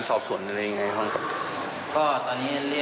ตอนนั้นนี้ลูกอยู่กับเรา